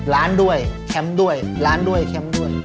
ร้านด้วยแคมป์ด้วยร้านด้วยแคมป์ด้วย